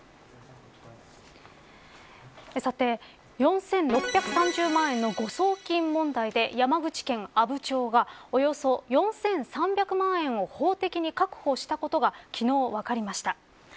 さて、４６３０万円の誤送金問題で山口県阿武町がおよそ４３００万円を法的に確保したことが昨日分かりました。